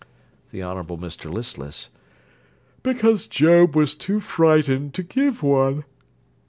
THE HONOURABLE MR LISTLESS Because Job was too frightened to give one.